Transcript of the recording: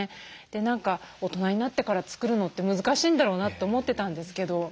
何か大人になってから作るのって難しいんだろうなと思ってたんですけど。